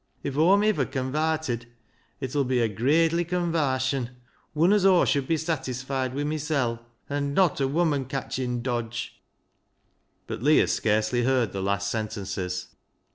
If Aw'm iver con varted it ull be a gradely convarsion, wun as Aw should be satisfied wi' mysel', an' not a woman catching dodge." But Leah scarcely heard the last sentences.